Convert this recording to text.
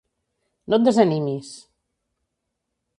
No et desanimis!